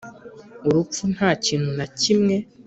urupfu ntakintu na kimwe.